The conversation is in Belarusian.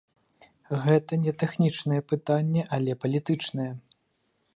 Гэта не тэхнічная пытанне, але палітычнае.